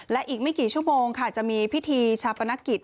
และอีกไม่กี่ชั่วโมงค่ะจะมีพิธีชาปนกิจ